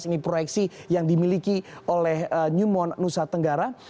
ini proyeksi yang dimiliki oleh newmont nusa tenggara